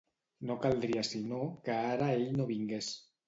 No caldria sinó que ara ell no vingués.